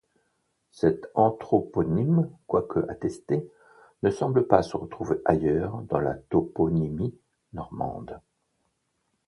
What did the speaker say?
Cet anthroponyme, quoique attesté, ne semble pas se retrouver ailleurs dans la toponymie normande.